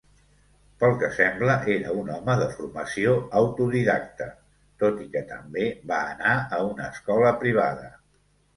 Pel que sembla, era un home de formació autodidacta, tot i que també va anar a una escola privada.